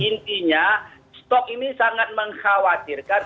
intinya stok ini sangat mengkhawatirkan